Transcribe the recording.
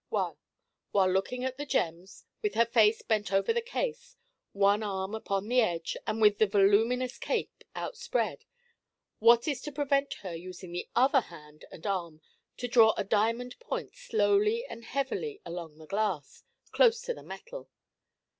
'Well, while looking at the gems, with her face bent over the case, one arm upon the edge, and with the voluminous cape outspread, what is to prevent her using the other hand and arm to draw a diamond point slowly and heavily along the glass, close to the metal?'